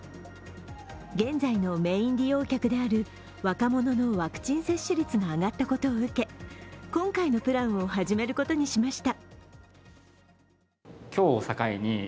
現在のメイン利用客である若者のワクチン接種率が上がったことを受け、今回のプランを始めることにしました。